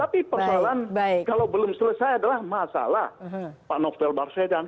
tapi persoalan kalau belum selesai adalah masalah pak novel baswedan